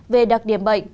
về đặc điểm bệnh